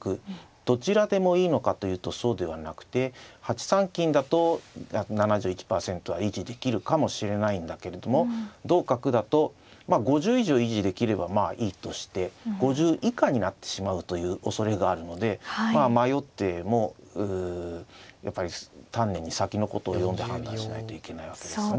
どちらでもいいのかというとそうではなくて８三金だと７１％は維持できるかもしれないんだけれども同角だと５０以上維持できればまあいいとして５０以下になってしまうというおそれがあるのでまあ迷ってもやっぱり丹念に先のことを読んで判断しないといけないわけですね。